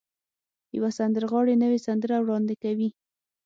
يوه سندرغاړې نوې سندرې وړاندې کوي.